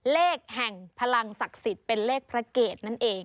เลขแห่งพลังศักดิ์สิทธิ์เป็นเลขพระเกตนั่นเอง